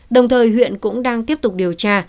đồng thời huyện cũng đang tiếp tục điều tra